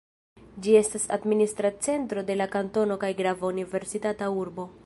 Ĝi estas administra centro de la kantono kaj grava universitata urbo.